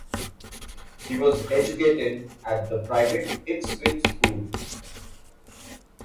He was educated at the private Ipswich School.